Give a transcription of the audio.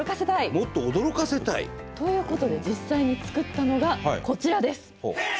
もっと驚かせたい？ということで実際に作ったのがこちらです。